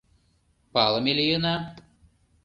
— Палыме лийына.